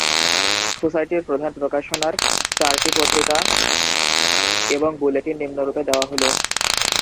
সোসাইটির প্রধান প্রকাশনার চারটি পত্রিকা এবং বুলেটিন নিম্নরূপে দেওয়া হল।